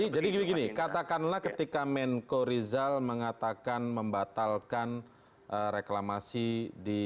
jadi begini katakanlah ketika menko rizal mengatakan membatalkan reklamasi di